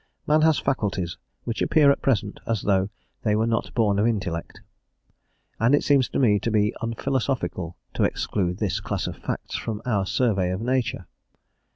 Man has faculties which appear, at present, as though they were not born of the intellect, and it seems to me to be unphilosophical to exclude this class of facts from our survey of nature.